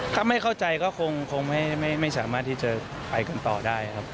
ถ้าไม่เข้าใจก็คงไม่สามารถที่จะไปกันต่อได้ครับ